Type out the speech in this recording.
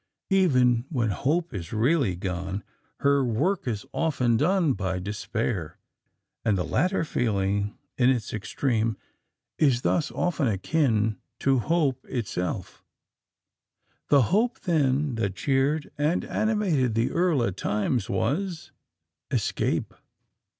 Even when Hope is really gone, her work is often done by Despair; and the latter feeling, in its extreme, is thus often akin to Hope herself. The hope, then, that cheered and animated the Earl at times, was—ESCAPE!